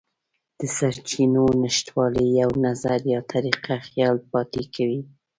د سرچینو نشتوالی یو نظر یا طریقه خیال پاتې کوي.